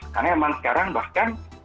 karena memang sekarang bahkan